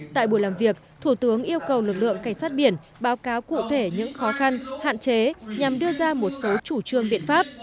tại buổi làm việc thủ tướng yêu cầu lực lượng cảnh sát biển báo cáo cụ thể những khó khăn hạn chế nhằm đưa ra một số chủ trương biện pháp